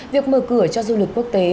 việc mở cửa cho du lịch quốc tế